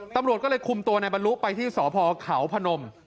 ตำรวจก็เลยคุมตัวในบรรลุไปที่สพเขาพนม